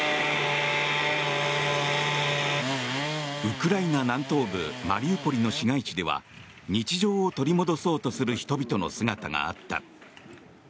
ウクライナ南東部マリウポリの市街地では日常を取り戻そうとする人々の姿があった。